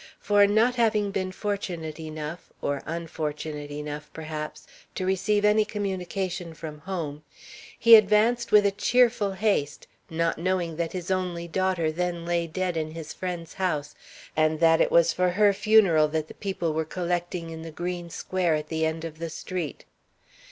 For not having been fortunate enough, or unfortunate enough, perhaps, to receive any communication from home, he advanced with a cheerful haste, not knowing that his only daughter then lay dead in his friend's house, and that it was for her funeral that the people were collecting in the green square at the end of the street.